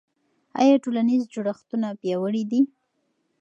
آیا ټولنیز جوړښتونه پیاوړي دي؟